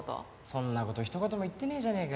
そんな事ひと言も言ってねえじゃねえかよ。